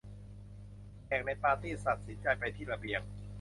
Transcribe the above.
แขกในปาร์ตี้ตัดสินใจไปที่ระเบียง